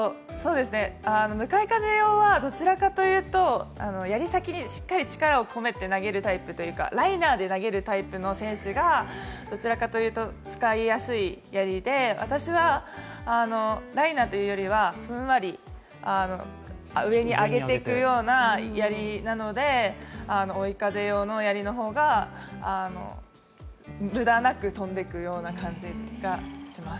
向かい風用はどちらかというとやり先にしっかり力を込めて投げるというかライナーで投げるタイプの選手がどちらかというと使いやすいやりで、私はライナーというよりは、ふんわり、上に上げていくようなやりなので、追い風用のやりの方が無駄なく飛んでいくような感じがします。